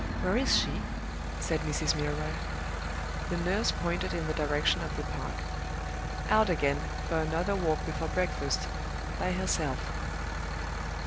"Where is she?" said Mrs. Milroy. The nurse pointed in the direction of the park. "Out again, for another walk before breakfast by herself."